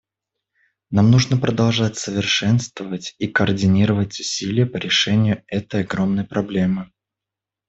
Нам нужно продолжать совершенствовать и координировать усилия по решению этой огромной проблемы.